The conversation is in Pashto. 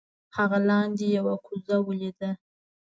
هغه لاندې یو کوزه ولیده.